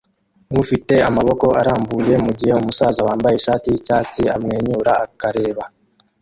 ufite amaboko arambuye mugihe umusaza wambaye ishati yicyatsi amwenyura akareba